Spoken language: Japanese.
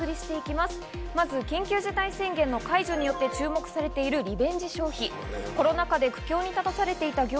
まず緊急事態宣言の解除にあって注目されているリベンジ